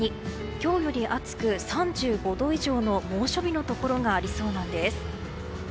今日より暑く３５度以上の猛暑日のところがありそうなんです。